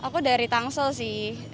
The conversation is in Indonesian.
biar di tangsel sih